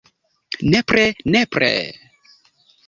Nepre, nepre...